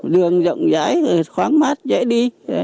đường rộng rãi khoáng mát dễ đi